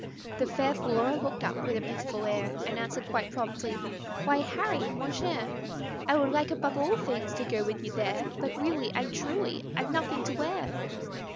The fair Flora looked up, with a pitiful air, And answered quite promptly, "Why, Harry, mon cher, I should like above all things to go with you there, But really and truly I've nothing to wear."